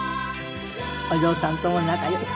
お嬢さんとも仲良く。